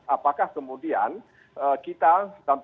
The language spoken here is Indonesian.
apakah kemudian kita dalam tanda kutip